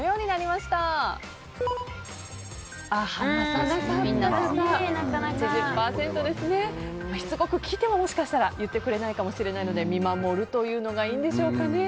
しつこく聞いてももしかしたら言ってくれないかもしれないので見守るというのがいいんでしょうかね。